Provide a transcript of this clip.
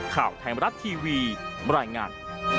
ข่าวไทยมรัฐทีวีบรรยายงาน